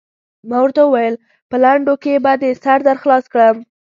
ما ورته وویل: په لنډو کې به دې سر در خلاص کړم.